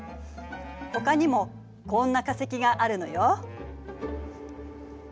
ほかにもこんな化石があるのよ。